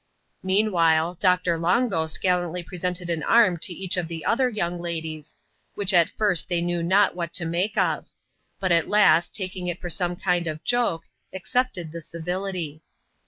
Meanwhile, Doctor Long Ghost gallantly presented an arm to each of the other young ladies, which at first they knew not what to make of ; but at last, taking it for some kind of joke, accepted the civility.